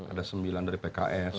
ada sembilan dari pks